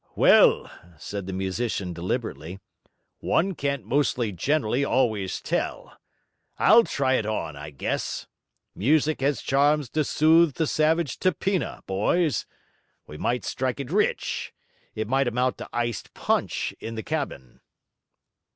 'Well,' said the musician deliberately, 'one can't most generally always tell. I'll try it on, I guess. Music has charms to soothe the savage Tapena, boys. We might strike it rich; it might amount to iced punch in the cabin.'